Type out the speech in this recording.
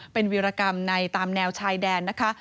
เป็นวิรกรรมในตามแนวชายแดนนะคะ